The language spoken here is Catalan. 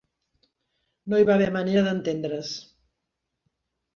No hi va haver manera d'entendre's